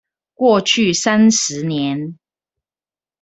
過去三十年